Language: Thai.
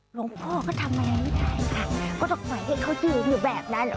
หลวงพ่อก็ทำอะไรไม่ได้ค่ะก็ต้องปล่อยให้เขายืนอยู่แบบนั้น